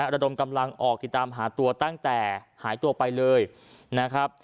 ระดมกำลังออกติดตามหาตัวตั้งแต่หายตัวไปเลยนะครับ